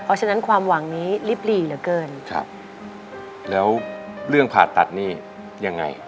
เพราะฉะนั้นความหวังนี้ลิบหลีเหลือเกินครับแล้วเรื่องผ่าตัดนี่ยังไง